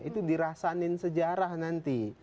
itu dirasanin sejarah nanti